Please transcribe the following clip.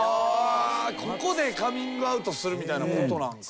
ここでカミングアウトするみたいなことなんか。